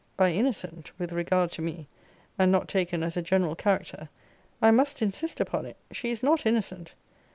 By innocent, with regard to me, and not taken as a general character, I must insist upon it she is not innocent.